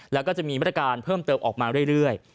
แล้วก็จะมีมาตรการเพิ่มเติมออกมาเรื่อย